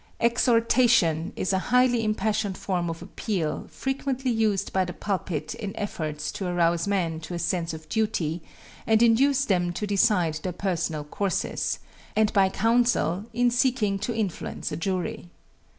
Exhortation is a highly impassioned form of appeal frequently used by the pulpit in efforts to arouse men to a sense of duty and induce them to decide their personal courses, and by counsel in seeking to influence a jury.